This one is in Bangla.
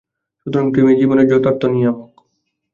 সুতরাং প্রেমেই জীবনের যথার্থ নিয়ামক।